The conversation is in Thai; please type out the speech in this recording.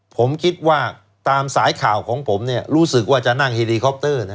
ผมคิดว่าตามสายข่าวของผมรู้สึกว่าจะนั่งเฮลีคอปเตอร์